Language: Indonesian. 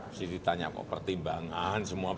mesti ditanya kok pertimbangan semua